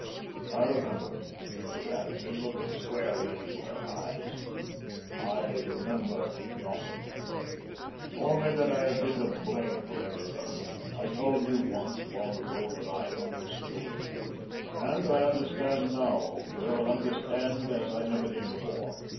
"I remember," he answered, looking squarely into her eyes, "I remember nothing only that I have been to blame for everything. I told you once long ago that I understood. And I understand now, old girl, understand as I never did before.